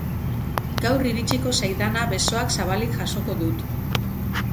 Gaur iritsiko zaidana besoak zabalik jasoko dut.